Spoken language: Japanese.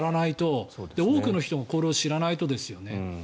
そして、多くの人がこれを知らないとですよね。